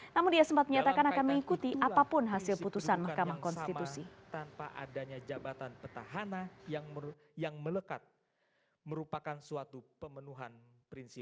namun dia sempat menyatakan akan mengikuti apapun hasil putusan mahkamah konstitusi